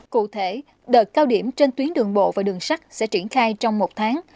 cụ thể đợt cao điểm trên tuyến đường bộ và đường sắt sẽ triển khai trong một tháng